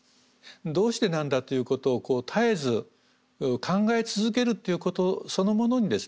どうしてなんだということを絶えず考え続けるっていうことそのものにですね